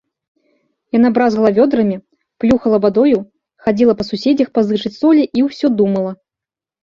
Яна бразгала вёдрамі, плюхала вадою, хадзіла па суседзях пазычыць солі і ўсё думала.